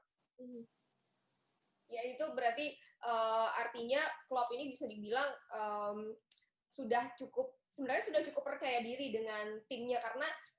itu berarti artinya klub ini bisa dibilang sudah cukup percaya diri dengan timnya